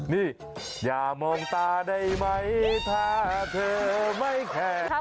นี่อย่ามองตาได้ไหมถ้าเธอไม่แขก